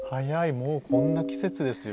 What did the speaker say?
もうこんな季節ですよ。